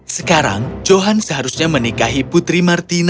sekarang johan seharusnya menikahi putri martina